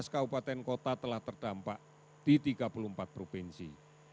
tiga ratus delapan belas kabupaten kota telah terdampak di tiga puluh empat provinsi